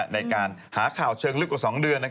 ในการหาข่าวเชิงลึกกว่า๒เดือน